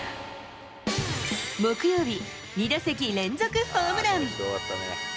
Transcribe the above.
木曜日、２打席連続ホームラン。